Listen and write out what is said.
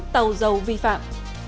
tàu dầu vi phạm